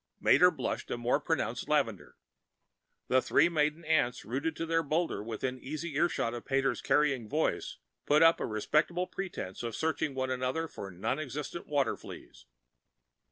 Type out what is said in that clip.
Mater blushed a more pronounced lavender. The three maiden aunts, rooted to their boulder within easy earshot of Pater's carrying voice, put up a respectable pretense of searching one another for nonexistent water fleas.